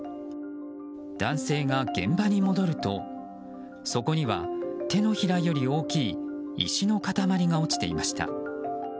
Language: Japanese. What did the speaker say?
男性が現場に戻ると、そこには手のひらより大きい石の塊が落ちていました。